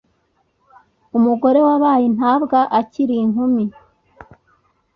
umugore wabaye intabwa akiri inkumi